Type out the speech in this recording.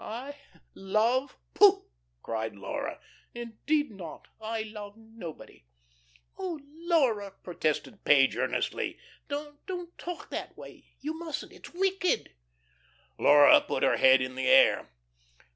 "I? Love? Pooh!" cried Laura. "Indeed not. I love nobody." "Oh, Laura," protested Page earnestly. "Don't, don't talk that way. You mustn't. It's wicked." Laura put her head in the air.